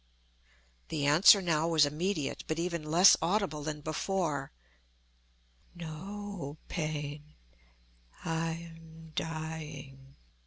The answer now was immediate, but even less audible than before: "No pain—I am dying."